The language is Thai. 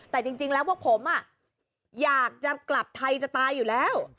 แต่จริงแล้วพวกผมอยากจะกลับไทยจะตายอยู่แล้ว